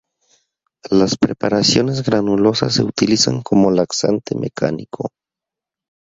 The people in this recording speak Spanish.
Las preparaciones granulosas se utilizan como laxante mecánico.